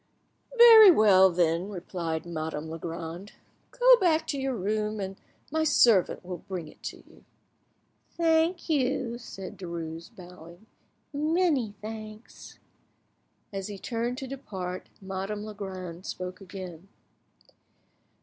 "Very well, then," replied Madame Legrand; "go back to your room, and my servant will bring it to you." "Thank you," said Derues, bowing,—"many thanks." As he turned to depart, Madame Legrand spoke again.